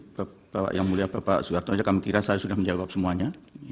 bapak yang mulia bapak soeharto aja kami kira saya sudah menjawab semuanya